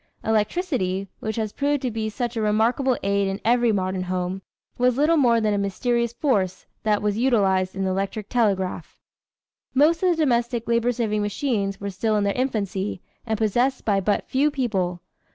Electricity, which has proved to be such a remarkable aid in every modern home, was little more than a mysterious force that was utilized in the electric telegraph. Most of the domestic labor saving machines were still in their infancy and possessed by but few people.